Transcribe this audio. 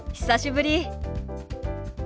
久しぶり。